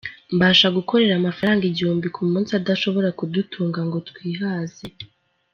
Mbasha gukorera amafaranga igihumbi ku munsi adashobora kudutunga ngo twihaze.